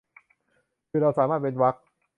คือเราสามารถเว้นเวรรค